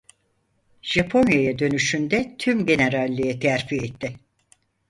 Japonya'ya dönüşünde tümgeneralliğe terfi etti.